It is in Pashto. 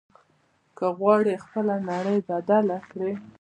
که غواړې خپله نړۍ بدله کړې.